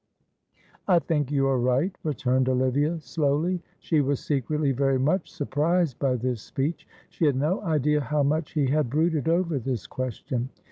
"I think you are right," returned Olivia, slowly; she was secretly very much surprised by this speech. She had no idea how much he had brooded over this question.